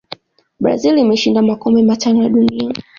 brazil imeshinda makombe matano ya dunia